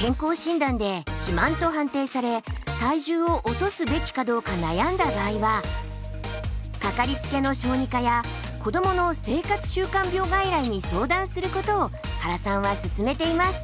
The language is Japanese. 健康診断で肥満と判定され体重を落とすべきかどうか悩んだ場合はかかりつけの小児科や子どもの生活習慣病外来に相談することを原さんは勧めています。